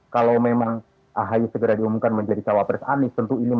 kalau memang ahi segera diumumkan menjadi cawapres anis